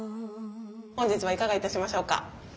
本日はいかが致しましょうか？